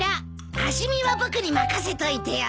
味見は僕に任せといてよ。